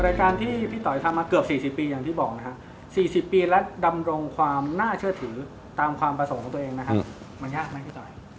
รายการที่พี่ต่อยทำมาเกือบ๔๐ปีอย่างที่บอกนะครับ๔๐ปีและดำรงความน่าเชื่อถือตามความประสงค์ของตัวเองนะครับมันยากไหมพี่ต่อย